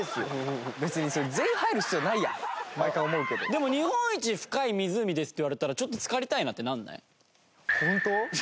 でも日本一深い湖ですって言われたらちょっと浸かりたいなってなんない？